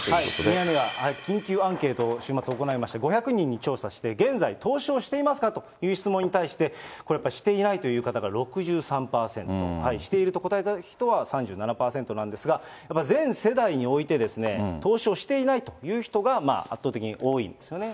ミヤネ屋緊急アンケートを週末行いまして、５００人に調査して現在、投資をしていますかという質問に対して、これ、やっぱり、していないという方が６３％、していると答えた人は３７％なんですが、やっぱり全世代において、投資をしていないという人が圧倒的に多いんですね。